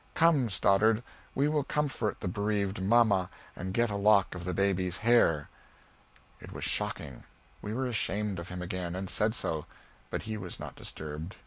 Come, Stoddard. We will comfort the bereaved mamma and get a lock of the baby's hair." It was shocking. We were ashamed of him again, and said so. But he was not disturbed.